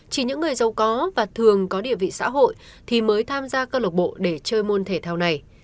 chỉ những người giàu có và thường có địa vị xã hội thì mới tham gia cơ lộc bộ để chơi môn thể thao này